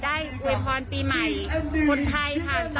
ได้อวยพรปีใหม่คนไทยผ่านตอนพินัทที่ดีหน่อย